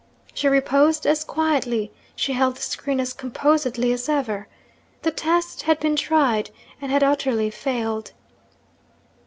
She reposed as quietly, she held the screen as composedly, as ever. The test had been tried, and had utterly failed.